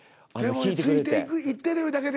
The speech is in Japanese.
ついていくいってるいうだけで。